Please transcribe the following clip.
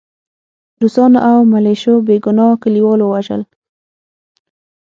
روسانو او ملیشو بې ګناه کلیوال ووژل